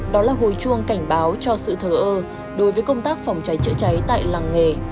đó là hồi chuông cảnh báo cho sự thờ ơ đối với công tác phòng cháy chữa cháy tại làng nghề